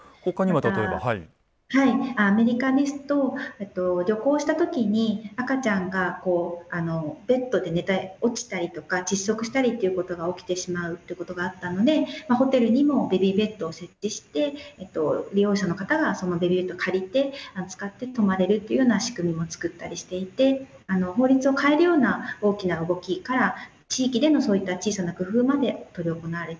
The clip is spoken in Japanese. またアメリカですと旅行した時に赤ちゃんがベッドで寝て落ちたりとか窒息したりっていうことが起きてしまうっていうことがあったのでホテルにもベビーベッドを設置して利用者の方がそのベビーベッド借りて使って泊まれるっていうような仕組みも作ったりしていて法律を変えるような大きな動きから地域でのそういった小さな工夫まで執り行われています。